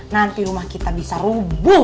nanti rumah kita bisa rubuh